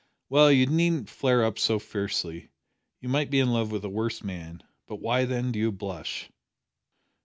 "Well, you needn't flare up so fiercely. You might be in love with a worse man. But why, then, do you blush?"